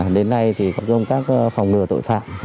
đến nay thì có dùng các phòng ngừa tội phạm